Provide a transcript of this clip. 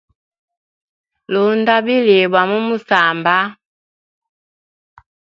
Lunda bilibwa mu musamba.